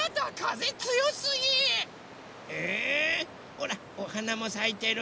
ほらおはなもさいてる。